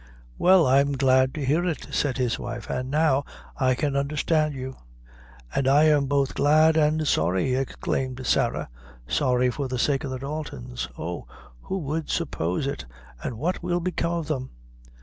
"Well, I'm glad to hear it," said his wife; "an' now I can undherstand you." "And I'm both glad and sorry," exclaimed Sarah; "sorry for the sake of the Daltons. Oh! who would suppose it! and what will become of them?"